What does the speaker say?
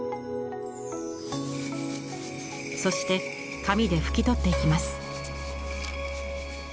そして紙で拭き取っていきます。